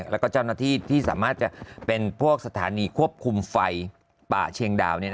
แล้วก็เจ้าหน้าที่ที่สามารถจะเป็นพวกสถานีควบคุมไฟป่าเชียงดาว